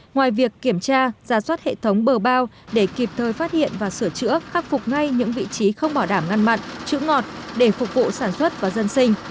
ngoài việc kiểm tra giả soát hệ thống bờ bao để kịp thời phát hiện và sửa chữa khắc phục ngay những vị trí không bỏ đảm ngăn mặn chữ ngọt để phục vụ sản xuất và dân sinh